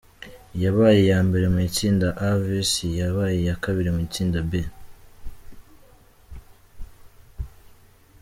Iyabaye iya mbere mu itsinda A Vs Iya baye iya kabiri mu itsinda B.